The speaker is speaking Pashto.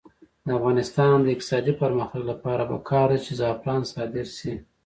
د افغانستان د اقتصادي پرمختګ لپاره پکار ده چې زعفران صادر شي.